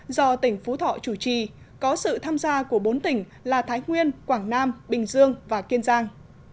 do tỉnh phú thọ chủ trì có sự tham gia của bốn tỉnh là thái nguyên quảng nam bình dương và kiên giang